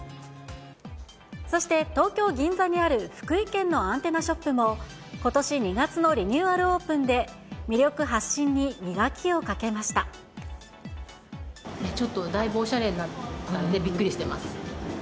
そして、東京・銀座にある福井県のアンテナショップも、ことし２月のリニューアルオープンで、ちょっと、だいぶおしゃれになったんで、びっくりしてます。